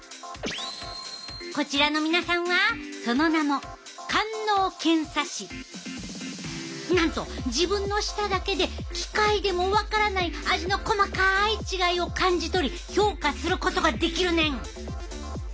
こちらの皆さんはその名もなんと自分の舌だけで機械でも分からない味の細かい違いを感じ取り評価することができるねん。